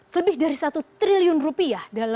lebih dari satu triliun rupiah